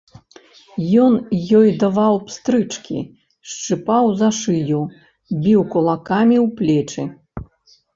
Ён ёй даваў пстрычкі, шчыпаў за шыю, біў кулакамі ў плечы.